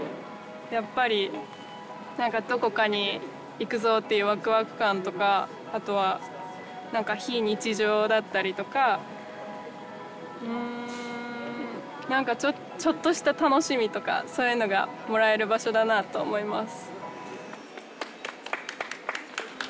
やっぱりどこかに行くぞっていうワクワク感とかあとは何か非日常だったりとかちょっとした楽しみとかそういうのがもらえる場所だなと思います。